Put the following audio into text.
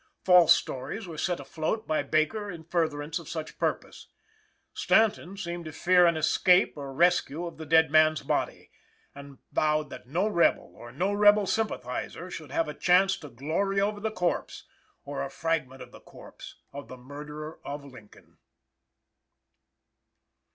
False stories were set afloat by Baker in furtherance of such purpose. Stanton seemed to fear an escape or rescue of the dead man's body; and vowed that no rebel or no rebel sympathizer should have a chance to glory over the corpse, or a fragment of the corpse, of the murderer of Lincoln.